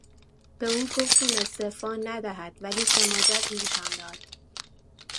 به او گفتیم استعفا ندهد ولی سماجت نشان داد.